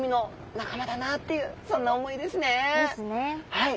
はい。